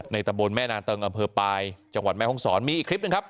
ตะบนแม่นาเติงอำเภอปลายจังหวัดแม่ห้องศรมีอีกคลิปหนึ่งครับ